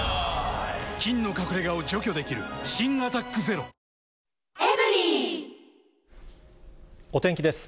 菌の隠れ家を除去できる新「アタックＺＥＲＯ」お天気です。